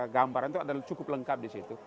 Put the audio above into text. gambaran itu adalah cukup lengkap di situ